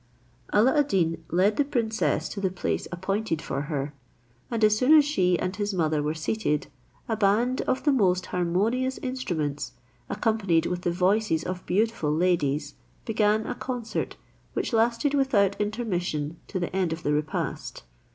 Alla ad Deen led the princess to the place appointed for her, and as soon as she and his mother were seated, a band of the most harmonious instruments, accompanied with the voices of beautiful ladies, began a concert, which lasted without intermission to the end of the repast.